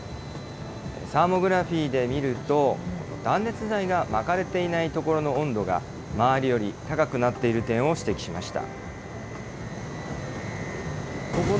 サーモグラフィーで見ると、断熱材が巻かれていない所の温度が、周りより高くなっている点を指摘しました。